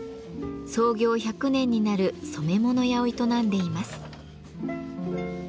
創業１００年になる染め物屋を営んでいます。